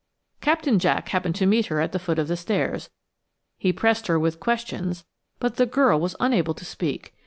Captain Jack happened to meet her at the foot of the stairs. He pressed her with questions, but the girl was unable to speak.